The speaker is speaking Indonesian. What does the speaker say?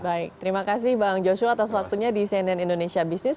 baik terima kasih bang joshua atas waktunya di cnn indonesia business